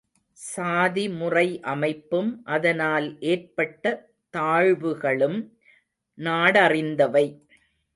சாதிமுறை அமைப்பும், அதனால் ஏற்பட்ட தாழ்வுகளும் நாடறிந்தவை.